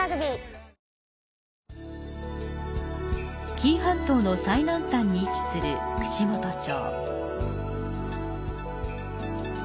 紀伊半島の最南端に位置する串本町。